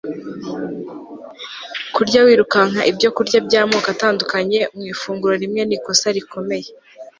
kurya wirukanka ibyokurya by'amoko atandukanye mu ifunguro rimwe ni ikosa rikomeye